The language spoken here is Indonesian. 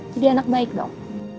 jadi anak baik dong